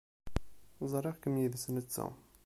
Ẓriɣ-kem yid-s netta.